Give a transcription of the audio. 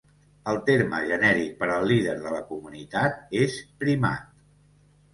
El terme genèric per al líder de la comunitat és Primat.